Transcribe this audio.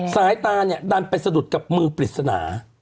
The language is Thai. สายตาเนี่ยดันไปสะดุดกับมือปริศนา